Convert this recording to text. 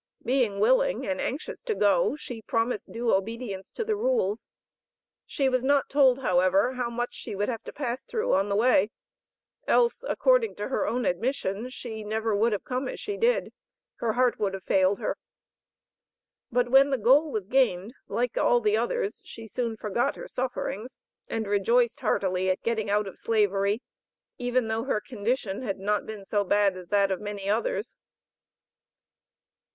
Being willing and anxious to go, she promised due obedience to the rules; she was not told, however, how much she would have to pass through on the way, else, according to her own admission, she never would have come as she did; her heart would have failed her. But when the goal was gained, like all others, she soon forgot her sufferings, and rejoiced heartily at getting out of Slavery, even though her condition had not been so bad as that of many others.